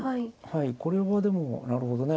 これはでもなるほどね